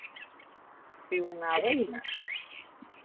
Шъуиунагъо ина?